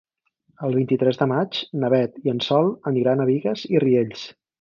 El vint-i-tres de maig na Beth i en Sol aniran a Bigues i Riells.